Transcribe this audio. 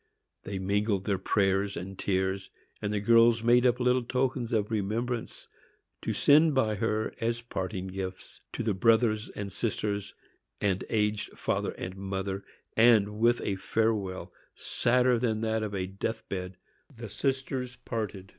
They mingled their prayers and tears, and the girls made up little tokens of remembrance to send by her as parting gifts to their brothers and sisters and aged father and mother, and with a farewell sadder than that of a death bed the sisters parted.